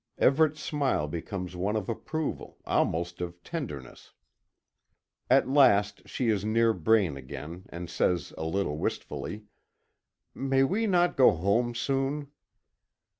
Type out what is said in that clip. Everet's smile becomes one of approval, almost of tenderness. At last she is near Braine again, and says a little wistfully: "May we not go home soon?"